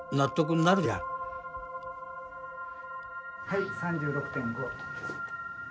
・はい３６．５。